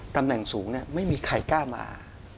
ตำแหน่งสูงไม่มีใครกล้ามา